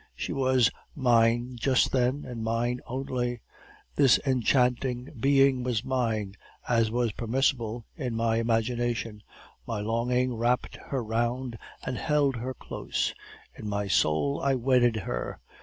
She was mine just then, and mine only, this enchanting being was mine, as was permissible, in my imagination; my longing wrapped her round and held her close; in my soul I wedded her.